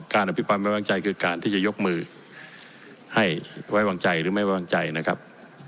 อภิปันไม่วางใจคือการที่จะยกมือให้ไว้วางใจหรือไม่วางใจนะครับ